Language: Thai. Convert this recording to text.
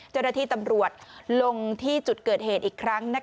จรฐีตำรวจลงที่จุดเกิดเหตุอีกครั้ง